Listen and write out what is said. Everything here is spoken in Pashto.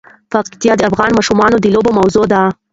پکتیکا د افغان ماشومانو د لوبو موضوع ده.